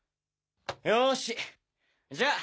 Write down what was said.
よしじゃあ